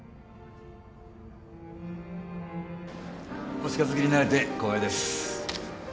お近づきになれて光栄です。